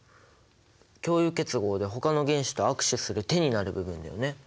共有結合でほかの原子と握手する手になる部分だよね。